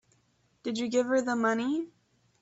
Did you give her the money?